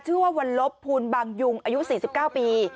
ชื่อว่าวันลบภูลบางยุงอายุ๔๙ปี